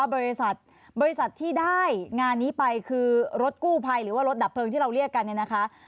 บริษัทที่ได้งานนี้ไปคือรถกู้ไพรหรือว่ารถดับเพลิงที่เราเรียกกันนะคะ